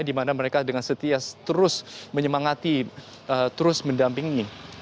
di mana mereka dengan setia terus menyemangati terus mendampingi